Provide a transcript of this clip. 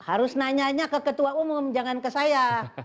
harus nanyanya ke ketua umum jangan ke saya